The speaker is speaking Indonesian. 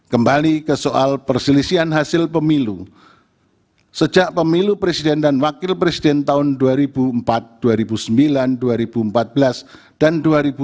pemilihan presiden dan wakil presiden tahun dua ribu empat dua ribu sembilan dua ribu empat belas dan dua ribu sembilan belas